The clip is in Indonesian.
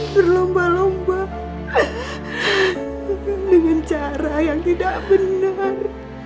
berlomba lomba dengan cara yang tidak benar